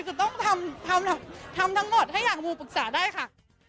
จะต้องทำทั้งหมดให้อย่างบูปรึกษาได้ค่ะ